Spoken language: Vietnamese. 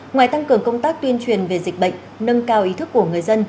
ngoài tăng cường công tác tuyên truyền về dịch bệnh nâng cao ý thức của người dân